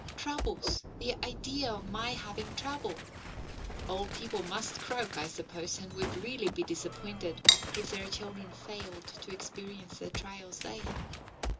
Troubles! The idea of my having trouble! Old people must croak, I suppose, and would really be disappointed if their children failed to experience the trials they have.